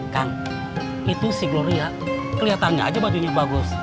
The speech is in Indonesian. kang itu si gloria kelihatannya aja bajunya bagus